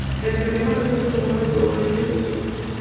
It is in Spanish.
El teorema recibe su nombre por Ulisse Dini.